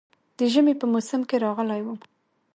د ژمي په موسم کې راغلی وم.